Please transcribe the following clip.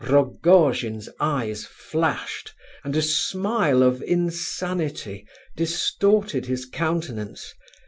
Rogojin's eyes flashed, and a smile of insanity distorted his countenance.